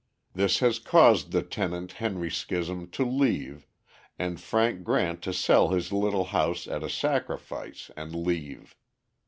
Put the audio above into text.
This has caused the tenant, Henry Scism, to leave, and Frank Grant to sell his little house at a sacrifice and leave.